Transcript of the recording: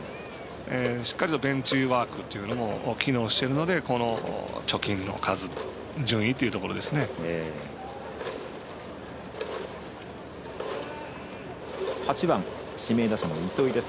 しっかりとベンチワークというのも機能してるのでこの貯金の数と８番、指名打者の糸井です。